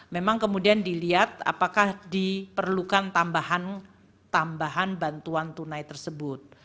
memang kemudian dilihat apakah diperlukan tambahan bantuan tunai tersebut